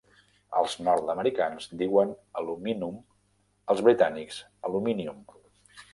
Els nord-americans diuen "aluminum", els britànics "aluminium".